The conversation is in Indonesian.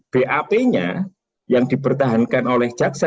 bap nya yang dipertahankan oleh jaksa